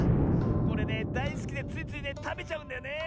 これねだいすきでついついねたべちゃうんだよねえ。